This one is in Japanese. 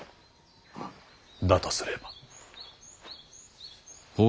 だとすれば。